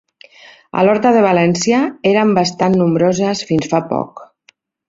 A l'Horta de València eren bastant nombroses fins fa poc.